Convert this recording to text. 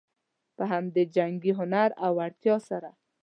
په همدې جنګي هنر او وړتیا سره.